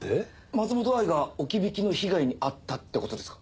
松本藍が置き引きの被害に遭ったってことですか？